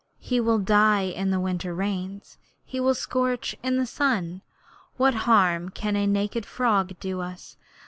He will die in the winter rains. He will scorch in the sun. What harm can a naked frog do us?